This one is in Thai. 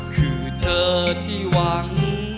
คือเธอที่หวัง